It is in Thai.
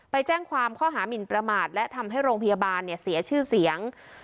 ไปแจ้งความข้อหามินประมาทและทำให้โรงพยาบาลเสียชื่อเสียง